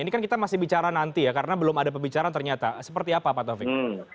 ini kan kita masih bicara nanti ya karena belum ada pembicaraan ternyata seperti apa pak taufik